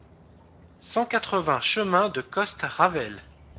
cent quatre-vingts chemin de Coste Ravelle